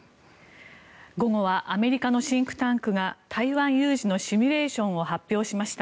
午後はアメリカのシンクタンクが台湾有事のシミュレーションを発表しました。